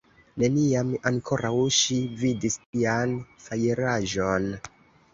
Neniam ankoraŭ ŝi vidis tian fajraĵon.